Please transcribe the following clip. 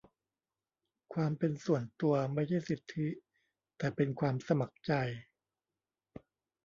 ความเป็นส่วนตัว ไม่ใช่สิทธิ แต่เป็นความสมัครใจ ?